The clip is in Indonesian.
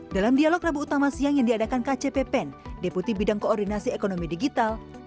dalam dialog rabu utama siang yang diadakan kcppen deputi bidang koordinasi ekonomi digital